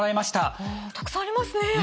あたくさんありますね。